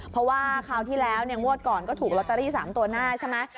เพราะว่าคราวที่แล้วงวดก่อนก็ถูกลอตเตอรี่๓ตัวหน้าใช่ไหม